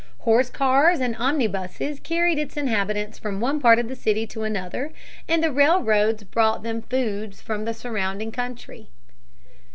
Horse cars and omnibuses carried its inhabitants from one part of the city to another, and the railroads brought them food from the surrounding country.